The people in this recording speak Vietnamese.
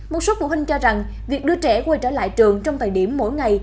một số phụ huynh cho rằng việc đưa trẻ quay trở lại trường trong thời điểm mỗi ngày